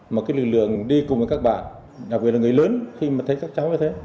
một cái lực lượng đi cùng với các bạn đặc biệt là người lớn khi mà thấy các cháu như thế